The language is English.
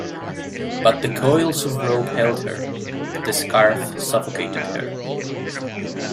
But the coils of rope held her; the scarf suffocated her.